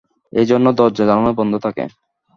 এই জন্যে দরজা-জানোলা বন্ধ থাকে।